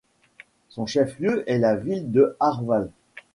Son chef-lieu est la ville de Arwal.